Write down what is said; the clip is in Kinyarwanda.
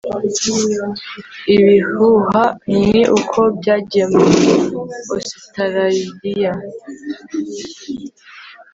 Ibihuha ni uko bagiye muri Ositaraliya